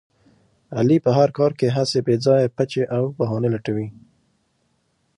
علي په هر کار کې هسې بې ځایه پچې او بهانې لټوي.